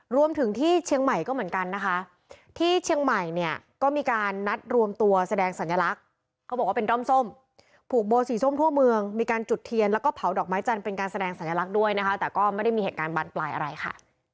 รวมถึงที่เชียงใหม่ก็เหมือนกันนะคะที่เชียงใหม่เนี่ยก็มีการนัดรวมตัวแสดงสัญลักษณ์เขาบอกว่าเป็นด้อมส้มผูกโบสีส้มทั่วเมืองมีการจุดเทียนแล้วก็เผาดอกไม้จันทร์เป็นการแสดงสัญลักษณ์ด้วยนะคะแต่ก็ไม่ได้มีเหตุการณ์บานปลายอะไรค่ะ